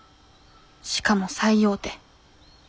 しかも最大手。